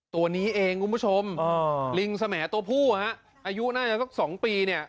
ตัวนี้เองคุณผู้ชมอ๋อลิงสแหมตัวผู้ฮะอายุหน้าอยู่สองปีเนี้ย